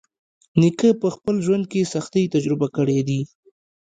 نیکه په خپل ژوند کې سختۍ تجربه کړې دي.